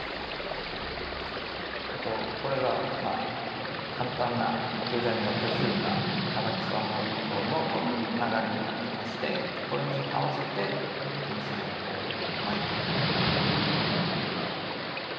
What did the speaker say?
これがまあ簡単なデザイン画というか唐草模様のこの流れになってましてこれに合わせて銀線を巻いていくと。